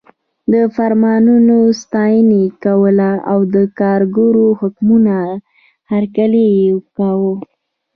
د فرمانونو ستاینه یې کوله او د کارګرو حکومت هرکلی یې کاوه.